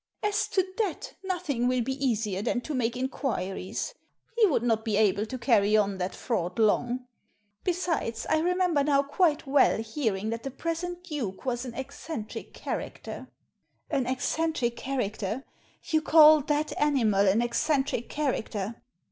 " As to that, nothing will be easier than to make inquiries. He would not be able to carry on that fraud long. Besides, I remember now quite well Digitized by VjOOQIC 308 THE SEEN AND THE UNSEEN hearing that the present duke was an eccentric character." "An eccentric character! You call that animal an eccentric character